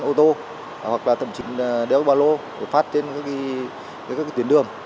đấy có thể đặt trên ô tô hoặc là thẩm trịnh đeo bà lô để phát trên các cái tuyến đường